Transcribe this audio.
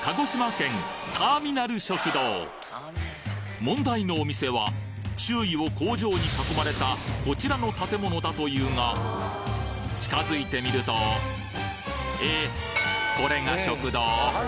問題のお店は周囲を工場に囲まれたこちらの建物だと言うが近づいてみるとえっこれが食堂？